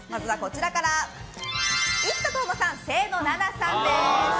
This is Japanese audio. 生田斗真さん、清野菜名さん。